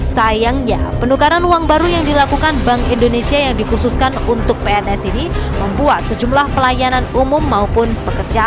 sayangnya penukaran uang baru yang dilakukan bank indonesia yang dikhususkan untuk pns ini membuat sejumlah pelayanan umum maupun pekerjaan